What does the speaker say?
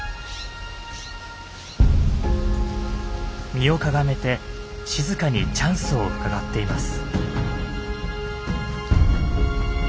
身をかがめて静かにチャンスをうかがっています。